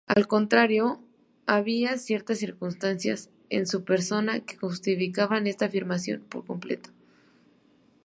Al contrario, había ciertas circunstancias en su persona que justificaban esta afirmación por completo.